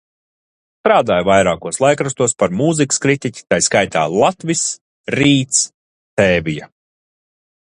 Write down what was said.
"Strādāja vairākos laikrakstos par mūzikas kritiķi, tai skaitā "Latvis", "Rīts", "Tēvija"."